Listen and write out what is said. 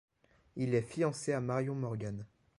Il est fiancé à Marion Morgan.